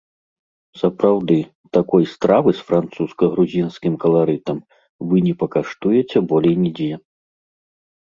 Сапраўды, такой стравы з французска-грузінскім каларытам вы не пакаштуеце болей нідзе.